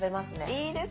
いいですね。